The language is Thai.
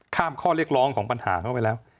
ข้อเรียกร้องของปัญหาเข้าไปแล้ว